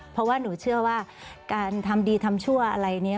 เพราะว่าหนูเชื่อว่าการทำดีทำชั่วอะไรนี้